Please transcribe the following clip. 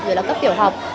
rồi là cấp tiểu học